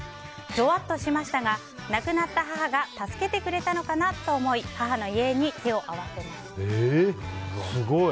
ぞわっとしましたが亡くなった母が助けてくれたのかなと思い母の遺影に手を合わせました。